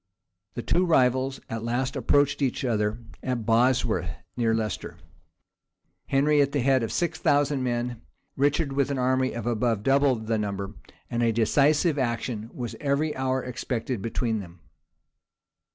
The two rivals at last approached each other, at Bosworth near Leicester; Henry at the head of six thousand men, Richard with an army of above double the number; and a decisive action was every hour expected between them.